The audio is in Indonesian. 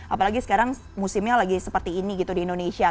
apalagi sekarang musimnya lagi seperti ini gitu di indonesia